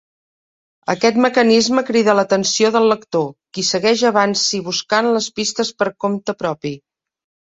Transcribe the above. Aquest mecanisme crida l'atenció del lector, qui segueix avanci buscant les pistes per compte propi.